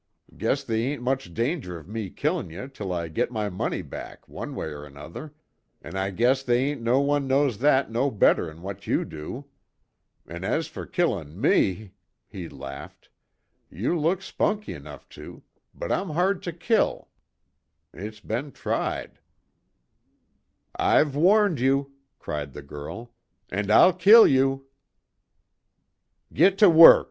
Guess they ain't much danger of me killin' ye till I get my money back, one way er another an' I guess they ain't no one knows that no better'n what you do. An' as fer killin' me," he laughed, "You look spunky 'nough to but I'm hard to kill it's be'n tried." "I've warned you!" cried the girl, "And I'll kill you!" "Git to work!